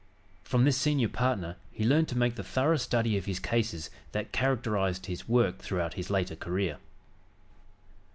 From this senior partner he learned to make the thorough study of his cases that characterized his work throughout his later career.